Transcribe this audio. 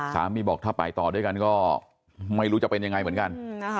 บอกถ้าไปต่อด้วยกันก็ไม่รู้จะเป็นยังไงเหมือนกัน